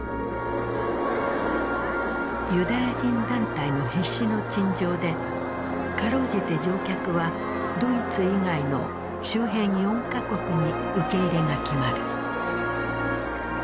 ユダヤ人団体の必死の陳情でかろうじて乗客はドイツ以外の周辺４か国に受け入れが決まる。